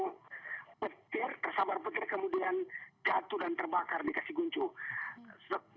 yang petir tersabar petir kemudian jatuh dan terbakar dikasih guncul